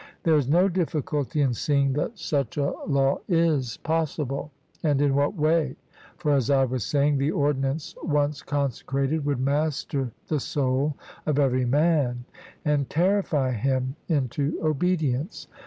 There is no difficulty in seeing that such a law is possible, and in what way; for, as I was saying, the ordinance once consecrated would master the soul of every man, and terrify him into obedience.